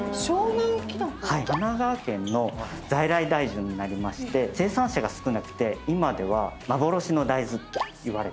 神奈川県の在来大豆になりまして生産者が少なくて今では幻の大豆いわれてます。